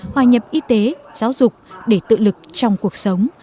hòa nhập y tế giáo dục để tự lực trong cuộc sống